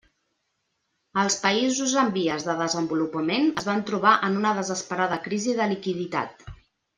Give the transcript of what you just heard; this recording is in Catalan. Els països en vies de desenvolupament es van trobar en una desesperada crisi de liquiditat.